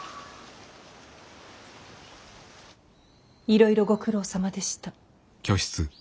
いろいろご苦労さまでした。